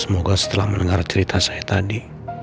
semoga setelah mendengar cerita saya tadi